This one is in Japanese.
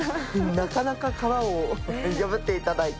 なかなか殻を破っていただい